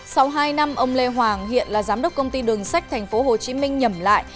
sau hai năm ông lê hoàng hiện là giám đốc công ty đường sách tp hcm nhầm lại